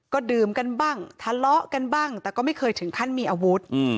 ก็ดื่มกันบ้างทะเลาะกันบ้างแต่ก็ไม่เคยถึงขั้นมีอาวุธ